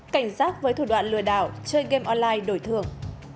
cảnh giác với thủ đoạn lừa đảo chơi game online đổi thường